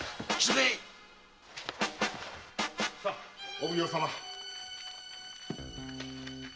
さお奉行様。